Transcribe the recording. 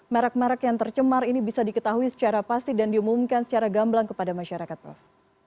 merek merek yang tercemar ini bisa diketahui secara pasti dan diumumkan secara gamblang kepada masyarakat prof